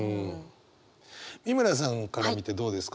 美村さんから見てどうですか？